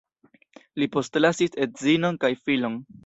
Li postlasis edzinon kaj filon.